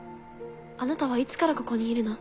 あなたはいつからここにいるの？